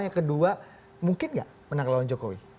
yang kedua mungkin nggak menang lawan jokowi